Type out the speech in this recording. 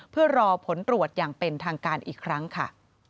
เพื่อรอผลตรวจอย่างเป็นทางการอีกครั้งค่ะ